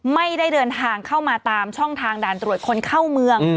ไม่ได้เดินทางเข้ามาตามช่องทางด่านตรวจคนเข้าเมือง